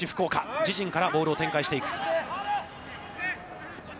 自陣からボールを展開していく。